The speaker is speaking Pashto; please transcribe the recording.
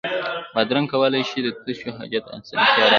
بادرنګ کولای شي د تشو حاجت اسانتیا راولي.